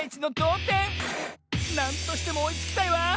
なんとしてもおいつきたいわ！